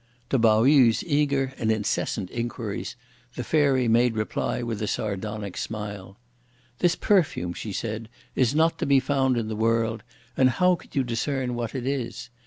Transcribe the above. To Pao yü's eager and incessant inquiries, the Fairy made reply with a sardonic smile. "This perfume," she said, "is not to be found in the world, and how could you discern what it is?